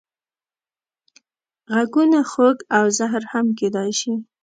غږونه خوږ او زهر هم کېدای شي